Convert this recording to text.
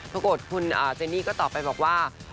ปรากฏคุณเจนี่ก็ตอบไปบอกว่า